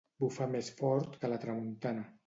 Bufar més fort que la tramuntana.